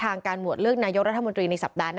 ทางคุณชัยธวัดก็บอกว่าการยื่นเรื่องแก้ไขมาตรวจสองเจน